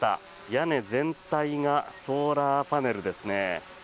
屋根全体がソーラーパネルですね。